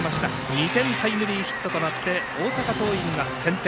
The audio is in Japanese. ２点タイムリーヒットとなって大阪桐蔭が先手。